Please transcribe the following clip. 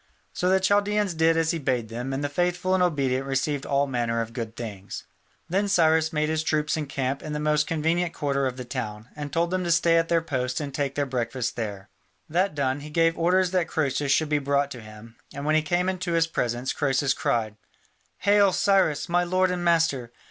So the Chaldaeans did as he bade them, and the faithful and obedient received all manner of good things. Then Cyrus made his troops encamp in the most convenient quarter of the town, and told them to stay at their posts and take their breakfast there. That done, he gave orders that Croesus should be brought to him, and when he came into his presence, Croesus cried: "Hail, Cyrus, my lord and master!